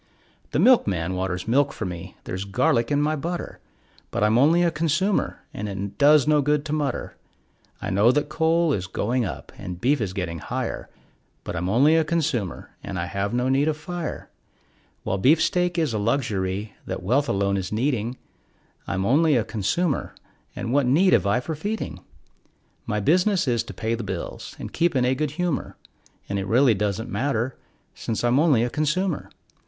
The milkman waters milk for me; there's garlic in my butter, But I'm only a consumer, and it does no good to mutter; I know that coal is going up and beef is getting higher, But I'm only a consumer, and I have no need of fire; While beefsteak is a luxury that wealth alone is needing, I'm only a consumer, and what need have I for feeding? My business is to pay the bills and keep in a good humor, And it really doesn't matter, since I'm only a consumer.